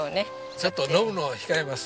ちょっと飲むのを控えます。